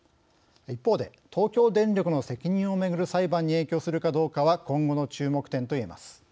一方で東京電力の責任を巡る裁判に影響するかどうかは今後の注目点といえます。